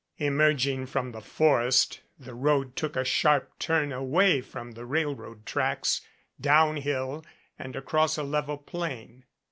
Emerging from the forest the road took a sharp turn away from the railroad tracks down hill and across a level plain.